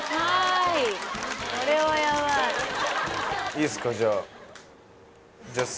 いいですかじゃああっ！